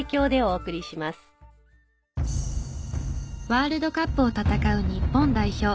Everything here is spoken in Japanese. ワールドカップを戦う日本代表。